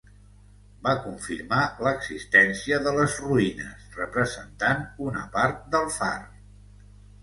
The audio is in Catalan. Va confirmar l'existència de les roïnes representant una part del far.